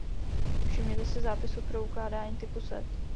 Všimněte si zápisu pro ukládání typu set.